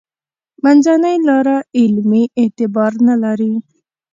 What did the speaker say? منځنۍ لاره علمي اعتبار نه لري.